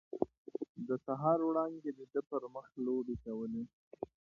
د سهار وړانګې د ده پر مخ لوبې کولې.